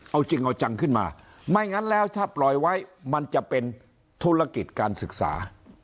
เอาจริงเอาจังขึ้นมาไม่งั้นแล้วถ้าปล่อยไว้มันจะเป็นธุรกิจการศึกษา